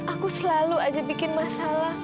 aku selalu aja bikin masalah